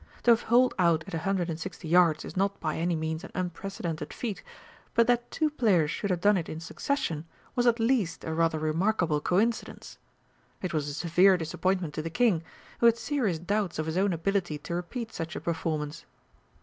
To have holed out at a hundred and sixty yards is not by any means an unprecedented feat, but that two players should have done it in succession was at least a rather remarkable coincidence. It was a severe disappointment to the King, who had serious doubts of his own ability to repeat such a performance.